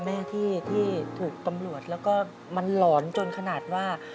แม่ที่ถูกตำรวจแล้วก็มันหลอนจนขนาดว่า